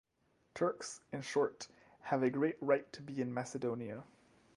Turks, in short, have a great right to be in Macedonia.